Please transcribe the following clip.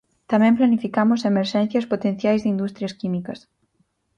Tamén planificamos emerxencias potenciais de industrias químicas.